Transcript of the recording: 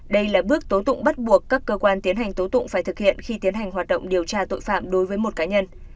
đây là bước tố tụng bắt buộc các cơ quan tiến hành tố tụng phải thực hiện khi tiến hành hoạt động điều tra tội phạm đối với một cá nhân